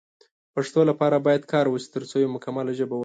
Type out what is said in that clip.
پښتو لپاره باید کار وشی ترڅو یو مکمله ژبه ولرو